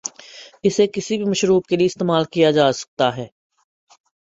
اسے کسی بھی مشروب کے لئے استعمال کیا جاسکتا ہے ۔